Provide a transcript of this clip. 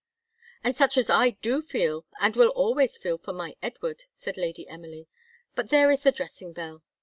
"And such as I do feel, and will always feel, for my Edward," said Lady Emily. "But there is the dressing bell!"